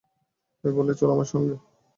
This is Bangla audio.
তাই বললে, চলো আমার সঙ্গে।